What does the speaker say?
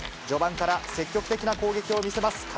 序盤から積極的な攻撃を見せます。